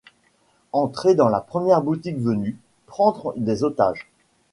Entrer dans la première boutique venue, prendre des otages ?